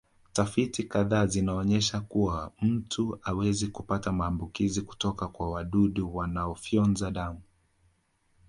Tafiti kadhaa zinaonyesha kuwa mtu hawezi kupata maambukizi kutoka kwa wadudu wanaofyonza damu